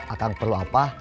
akang perlu apa